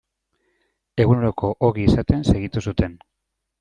Eguneroko ogi izaten segitu zuten.